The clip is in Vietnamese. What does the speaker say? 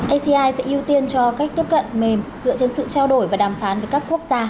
aci sẽ ưu tiên cho cách tiếp cận mềm dựa trên sự trao đổi và đàm phán với các quốc gia